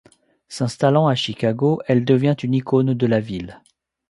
S'installant à Chicago, elle devient une icône de la ville.